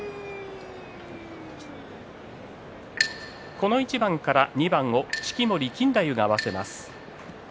この一番から２番を式守錦太夫が合わせます。